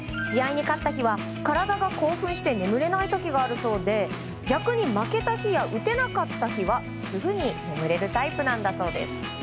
試合に勝った日は体が興奮して眠れない時があるそうで逆に負けた日や打てなかった日はすぐに眠れるタイプなんだそうです。